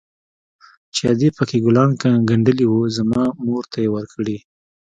چې ادې پكښې ګلان ګنډلي وو زما مور ته يې وركړي.